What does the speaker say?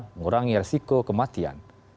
mengurangi risiko kematian